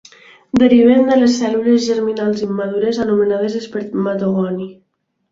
Deriven de les cèl·lules germinals immadures anomenades espermatogoni.